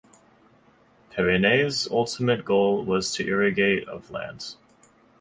Perrine's ultimate goal was to irrigate of land.